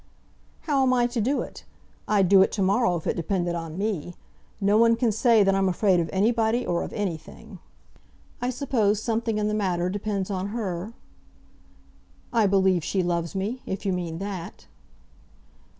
"How am I to do it? I'd do it to morrow if it depended on me. No one can say that I'm afraid of anybody or of anything." "I suppose something in the matter depends on her?" "I believe she loves me, if you mean that?"